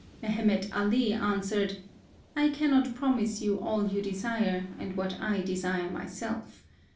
Mehemet Ali an swered, " I cannot promise you all you . de sire, and what I desire myself.